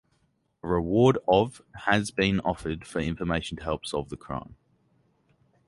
A reward of has been offered for information to help solve the crime.